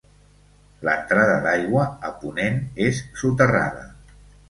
L'entrada d'aigua, a ponent, és soterrada.